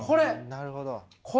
なるほど。